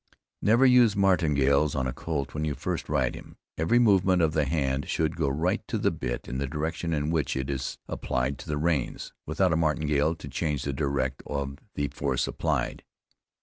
Never use martingales on a colt when you first ride him; every movement of the hand should go right to the bit in the direction in which it is applied to the reins, without a martingale to change the direct of the force applied.